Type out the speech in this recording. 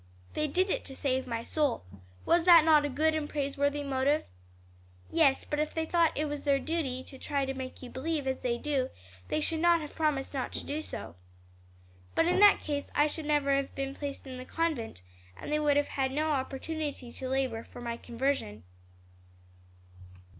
"They did it to save my soul. Was not that a good and praiseworthy motive?" "Yes; but if they thought it their duty to try to make you believe as they do, they should not have promised not to do so." "But in that case I should never have been placed in the convent, and they would have had no opportunity to labor for my conversion."